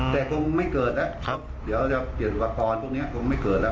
แต่คงไม่เกิดแล้วครับเดี๋ยวจะเปลี่ยนอุปกรณ์พวกนี้คงไม่เกิดแล้ว